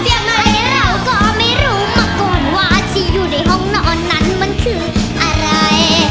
ยังไงเราก็ไม่รู้มาก่อนว่าที่อยู่ในห้องนอนนั้นมันคืออะไร